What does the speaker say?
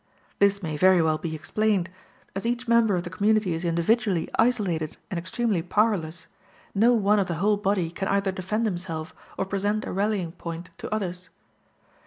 This may very well be explained: as each member of the community is individually isolated and extremely powerless, no one of the whole body can either defend himself or present a rallying point to others.